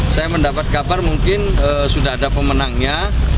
saya mendapat kabar mungkin sudah ada pemenangnya